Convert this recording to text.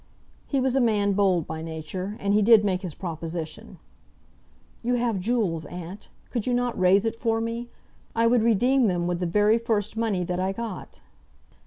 He was a man bold by nature, and he did make his proposition. "You have jewels, aunt; could you not raise it for me? I would redeem them with the very first money that I got."